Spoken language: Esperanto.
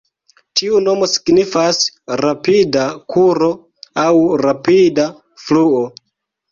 Tiu nomo signifas "rapida kuro" aŭ "rapida fluo".